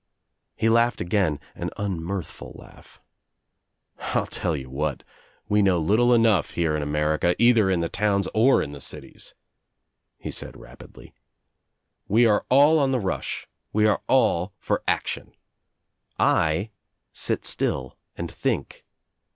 He laughed again, an unmirthful laugh, kI'U tell you what, we know little enough here in THE TRIUMPH OF THE EGG America, either in the towns or in the dries," he said rapidl7. "We arc all on the rush. We are all for action. I sit still and think.